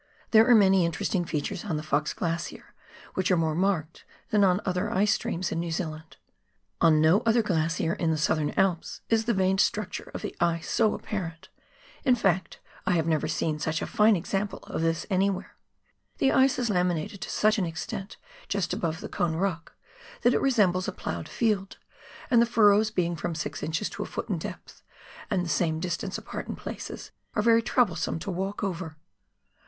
There are many interesting features on the Fox Glacier which are more marked than on other ice streams in New Zealand. On no other glacier in the Southern Alps is the veined structure of the ice so apparent ; in fact, I have never seen such a fine example of this anywhere. The ice is laminated to such an extent just above the Cone Rock, that it resembles a ploughed field, and the furrows being from six inches to a foot in depth and the same distance apart in places, are very trouble some to walk over.